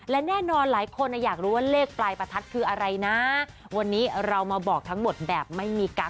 และแน่นอนหลายคนอยากรู้ว่าเลขปลายประทัดคืออะไรนะวันนี้เรามาบอกทั้งหมดแบบไม่มีกั๊